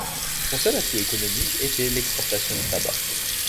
Son seul atout économique était l'exportation de tabac.